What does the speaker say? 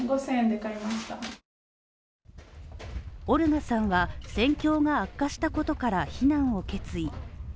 オルガさんは戦況が悪化したことから避難を決意。